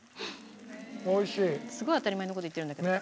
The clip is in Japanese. すごい当たり前の事言ってるんだけど。